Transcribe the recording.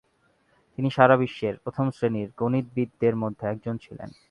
তিনি সারা বিশ্বের প্রথম শ্রেনীর গণিতবিদদের মধ্যে একজন ছিলেন।